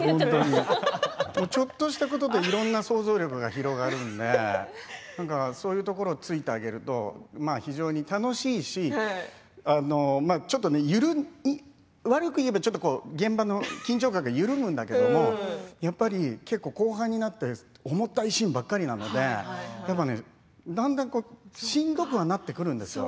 ちょっとしたことでいろんな想像力が広がるのでそういうところを突いてあげると非常に楽しいし悪く言えば現場の緊張感が緩むんだけど結構、後半になって重たいシーンばっかりなのでやっぱり、だんだんしんどくなってくるんですよ。